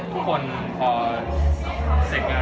ทุกคนพอเสร็จงาน